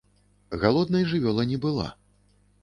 Галоднай жывёла не была.